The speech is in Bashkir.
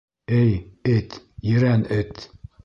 — Эй, эт, ерән эт!